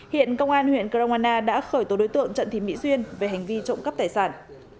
hiện công an huyện cromana đã khởi tố đối tượng trần thị mỹ duyên về hành vi trộm cắp tài sản